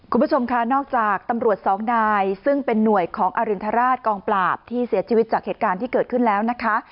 คุณผู้ชมค่ะนอกจากตำรวจสองนายซึ่งเป็นหน่วยของอรินทราชกองปราบที่เสียชีวิตจากเหตุการณ์ที่เกิดขึ้นแล้วนะคะ